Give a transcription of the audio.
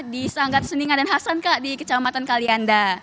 di sanggar seninga dan hasan kak di kecamatan kalianda